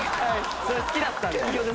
それ好きだったんで。